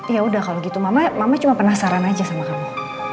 ya udah kalau gitu mama cuma penasaran aja sama kamu